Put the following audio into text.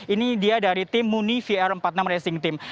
ini dia dari tim muni vr empat puluh enam racing team